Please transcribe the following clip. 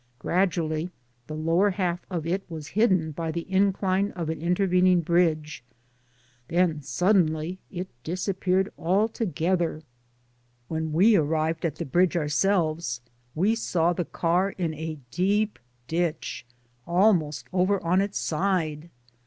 Gradually the lower half of it was hidden by the incline of an intervening bridge, then suddenly it disappeared altogether. When we arrived at 68 Digitized by LjOOQ IC MUDII the bridge ourselves we saw the car in a deep ditch ahnost over on its side.